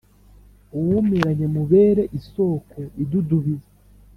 uwumiranye mubere isoko idudubiza ;